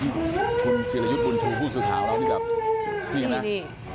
คุณศิริยุตุบุญชีวิตผู้สุขาวแล้วที่แบบนี้นะ